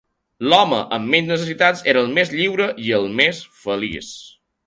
L'home amb menys necessitats era el més lliure i el més feliç.